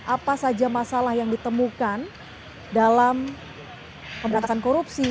apa saja masalah yang ditemukan dalam pemberantasan korupsi